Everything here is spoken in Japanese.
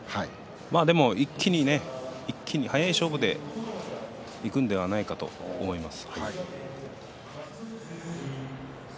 でも一気に速い勝負でいくんではないかと思います。